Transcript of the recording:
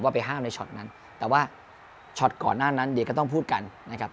ไปห้ามในช็อตนั้นแต่ว่าช็อตก่อนหน้านั้นเดี๋ยวก็ต้องพูดกันนะครับ